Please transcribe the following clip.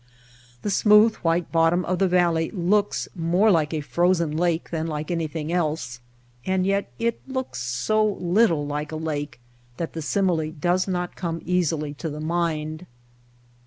The smooth, white bottom of the valley looks more like a frozen lake than like anything else, and yet it looks so little like a lake that the simile does not come easily to the mind.